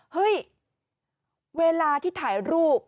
เฮ้ยเวลาที่ถ่ายรูป